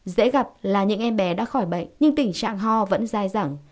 dễ gặp là những em bé đã khỏi bệnh nhưng tình trạng ho vẫn dai dẳng